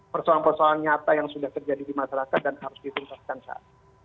persoalan persoalan nyata yang sudah terjadi di masyarakat dan harus disimpan kan saat